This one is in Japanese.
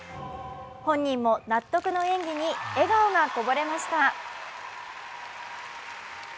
本人も納得の演技に笑顔がこぼれました。